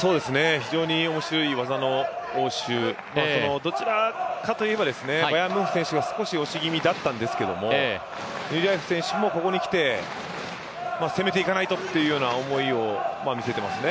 非常に面白い技の応酬、どちらかといえばバヤンムンフ選手が少し押し気味だったんですけどヌリラエフ選手もここに来て、攻めていかないとという思いを見せていますね。